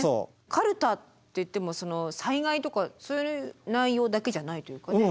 かるたっていっても災害とかそういう内容だけじゃないというかね。